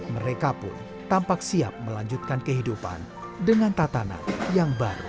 mereka pun tampak siap melanjutkan kehidupan dengan tatanan yang baru